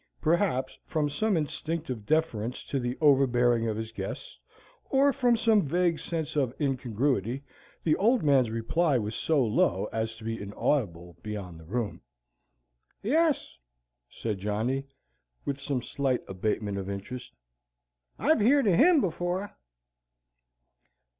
Perhaps from some instinctive deference to the overhearing of his guests, or from some vague sense of incongruity, the Old Man's reply was so low as to be inaudible beyond the room. "Yes," said Johnny, with some slight abatement of interest, "I've heerd o' HIM before.